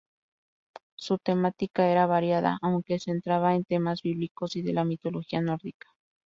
Su temática era variada, aunque centrada en temas bíblicos y de la mitología nórdica.